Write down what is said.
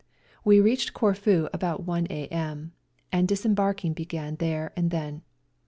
We reached Corfu about 1 a.m., and disembarking began there and then.